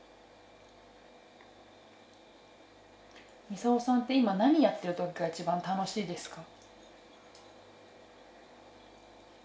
ミサオさんって今何やってる時が一番楽しいですか？